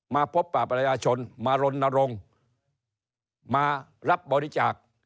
มาพบปราบประชาชนมารณรงค์มารับบริจาค